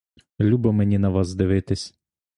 Любо мені на вас дивитись!